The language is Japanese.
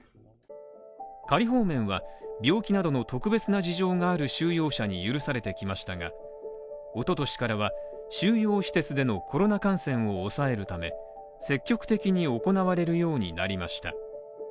仮放免は、病気などの特別な事情がある収容者に許されてきましたが、一昨年からは収容施設でのコロナ感染を抑えるため積極的に行われるようになりました。